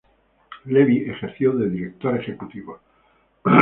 Levy ejerció de director ejecutivo.